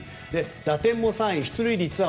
打点も３位出塁率は